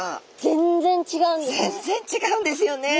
全然違うんですよね。